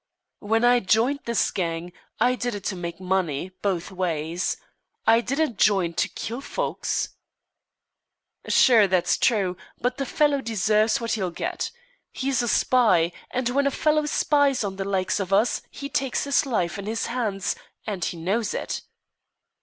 "When I joined this gang, I did it to make money, both ways. I didn't join to kill folks." "Sure, that's true. But the fellow deserves what he'll get. He is a spy, and when a fellow spies on the likes of us he takes his life in his hands and he knows it."